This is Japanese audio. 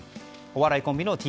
お笑いコンビのＴＫＯ。